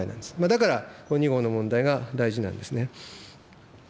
だから、２号の問題が大事なんですね。